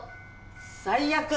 最悪！